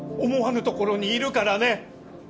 思わぬところにいるからね！